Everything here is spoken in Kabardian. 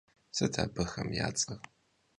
Sıt abıxem ya ts'er?